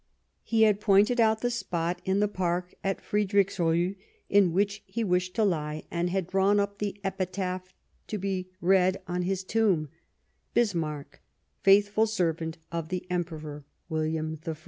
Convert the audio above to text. He had pointed out the spot in the park at Friedrichsruh in which he wished to lie and had drawn up the epitaph to be read on his tomb :" Bismarck, faithful servant of the Emperor William I."